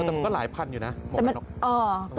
แต่มันก็หลายพันอยู่นะหมวกกันนก